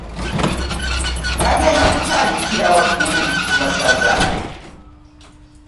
Bagenda kutandikira waggulu ku masaza.